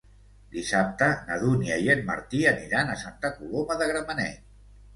Dissabte na Dúnia i en Martí aniran a Santa Coloma de Gramenet.